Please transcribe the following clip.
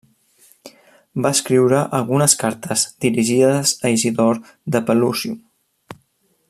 Va escriure algunes cartes dirigides a Isidor de Pelusium.